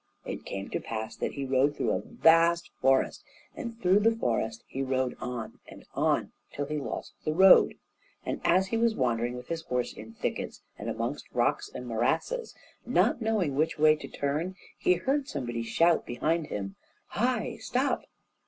It came to pass that he rode through a vast forest, and through the forest he rode on and on till he lost the road. And as he was wandering with his horse in thickets and amongst rocks and morasses, not knowing which way to turn, he heard somebody shout behind him, "Hi! stop!"